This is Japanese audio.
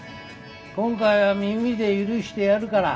今回は耳で許してやるから。